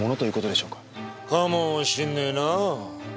かもしんねえなあ。